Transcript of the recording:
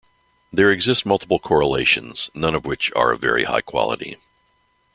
There exist multiple correlations, none of which are of very high quality.